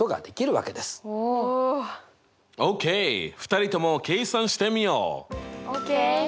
２人とも計算してみよう！ＯＫ！